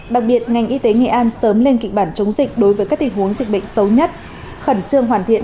đặc biệt ngành y tế nghệ an sớm lên kịch bản chống dịch đối với các tình huống dịch bệnh xấu nhất khẩn trương hoàn thiện